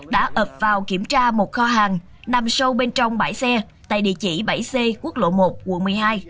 đã ập vào kiểm tra một kho hàng nằm sâu bên trong bãi xe tại địa chỉ bảy c quốc lộ một quận một mươi hai